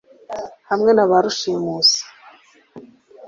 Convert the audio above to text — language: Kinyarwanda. hamwe na ba Rushimusi,